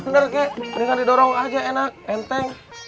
bener kek kadang kadang dorong aja enak enteng